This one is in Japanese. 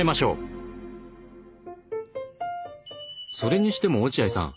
それにしても落合さん